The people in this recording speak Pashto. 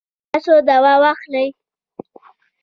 تاسو دوا واخلئ